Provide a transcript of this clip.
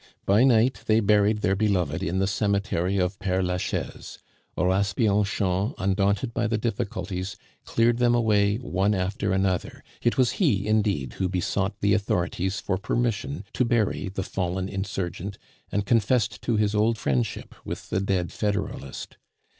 By night they buried their beloved in the cemetery of Pere Lachaise; Horace Bianchon, undaunted by the difficulties, cleared them away one after another it was he indeed who besought the authorities for permission to bury the fallen insurgent and confessed to his old friendship with the dead Federalist.